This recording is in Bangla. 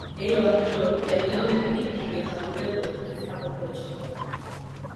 এই অঞ্চল প্যালিওলিথিক যুগের শুরুতে বসতি স্থাপন করেছিল।